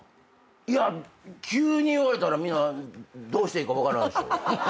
いや急に言われたらみんなどうしていいか分からんでしょ。